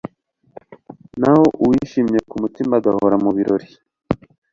naho uwishimye ku mutima agahora mu birori